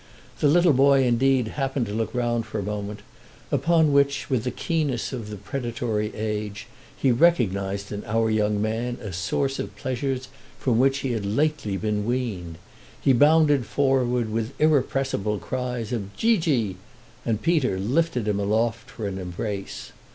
The little boy indeed happened to look round for a moment, upon which, with the keenness of the predatory age, he recognised in our young man a source of pleasures from which he lately had been weaned. He bounded forward with irrepressible cries of "Geegee!" and Peter lifted him aloft for an embrace.